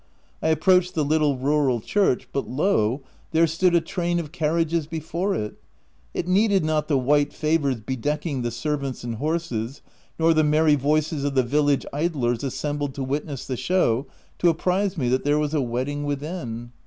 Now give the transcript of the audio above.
I approached the little rural church — but lo ! there stood a train of carriages before it — it needed not the white favours bedecking the servants and horses, nor the merry voices of the village idlers assembled to witness the show, to apprize me that there was a wedding within.